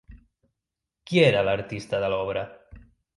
Qui era l'artista de l'obra?